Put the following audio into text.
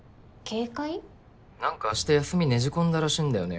何か明日休みねじ込んだらしいんだよね